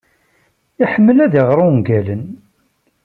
Iḥemmel ad iɣer ungalen.